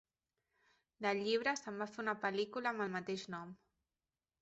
Del llibre se'n va fer una pel·lícula amb el mateix nom.